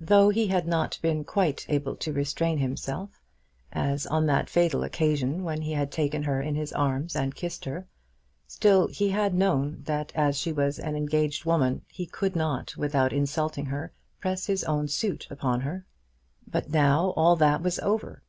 Though he had not been quite able to restrain himself, as on that fatal occasion when he had taken her in his arms and kissed her, still he had known that as she was an engaged woman, he could not, without insulting her, press his own suit upon her. But now all that was over.